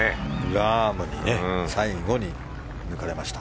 ラームに最後に抜かれました。